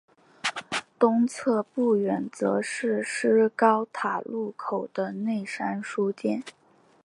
东侧不远则是施高塔路口的内山书店。